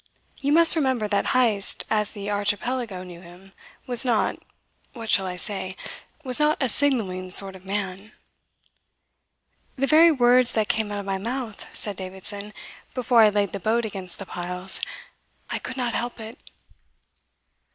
You must remember that Heyst as the Archipelago knew him was not what shall I say was not a signalling sort of man. "The very words that came out of my mouth," said Davidson, "before I laid the boat against the piles. I could not help it!"